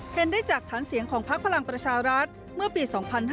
เห็นได้จากฐานเสียงของพักพลังประชารัฐเมื่อปี๒๕๕๙